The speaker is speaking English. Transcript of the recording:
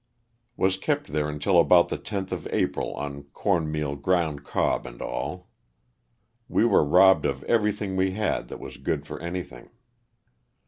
Was kept there until about the 10th of April on corn meal, ground cob and all. We were robbed of everything we had that was good for anything.